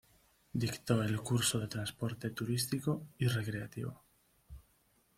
Dictó el curso de Transporte Turístico y Recreativo.